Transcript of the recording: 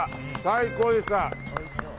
最高でした。